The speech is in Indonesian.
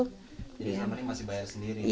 jadi sama ini masih bayar sendiri